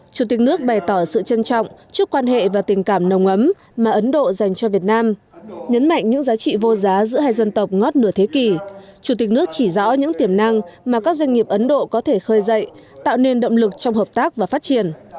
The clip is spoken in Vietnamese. chủ tịch nước chỉ rõ những tiềm năng mà các doanh nghiệp ấn độ có thể khơi dậy tạo nên động lực trong hợp tác và phát triển